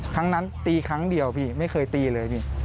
ครั้งนั้นตีครั้งเดียวพี่ไม่เคยตีเลยพี่